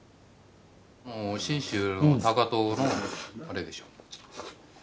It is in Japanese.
もう信州の高遠のタレでしょ。